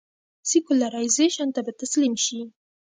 سیکولرایزېشن ته به تسلیم شي.